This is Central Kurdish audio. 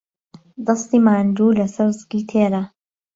دەستی ماندوو لەسەر سکی تێرە